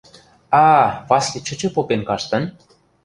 А-а, Васли чӹчӹ попен каштын?